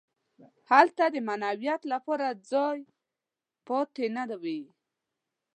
هلته د معنویت لپاره ځای پاتې نه وي.